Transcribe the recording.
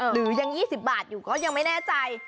หรือยัง๒๐บาทอยู่ก็ยังไม่แน่ใจ